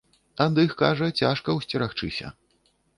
Ад іх, кажа, цяжка ўсцерагчыся.